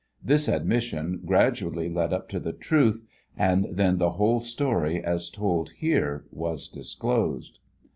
This admission gradually led up to the truth, and then the whole story, as told here, was disclosed.